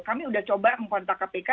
kami sudah coba mengkontak kpk